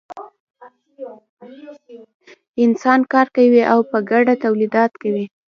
انسانان کار کوي او په ګډه تولیدات کوي.